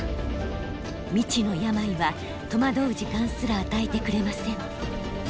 未知の病は戸惑う時間すら与えてくれません。